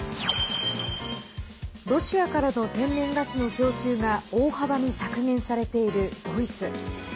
ロシアからの天然ガスの供給が大幅に削減されているドイツ。